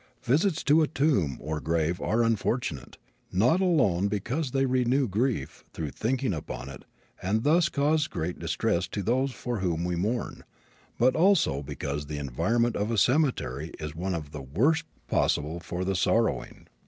Visits to a tomb or grave are unfortunate, not alone because they renew grief through thinking upon it and thus cause great distress to those for whom we mourn, but also because the environment of a cemetery is one of the worst possible for the sorrowing.